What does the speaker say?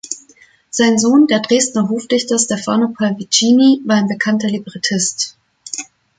Sein Sohn, der Dresdner Hofdichter Stefano Pallavicini war ein bekannter Librettist.